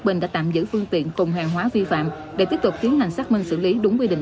bình đã tạm giữ phương tiện cùng hàng hóa vi phạm để tiếp tục tiến hành xác minh xử lý đúng quy định